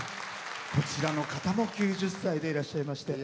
こちらの方も９０歳でいらっしゃいまして。